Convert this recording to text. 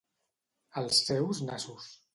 Als seus nassos.